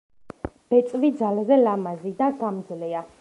ბეწვი ძალზე ლამაზი და გამძლეა.